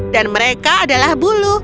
dan mereka adalah bulu